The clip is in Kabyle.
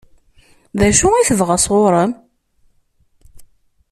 D acu i tebɣa sɣur-m?